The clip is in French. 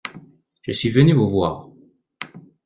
Je suis venu vous voir.